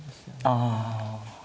ああ。